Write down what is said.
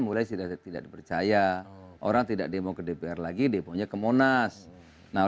sudah menyatakan dukungan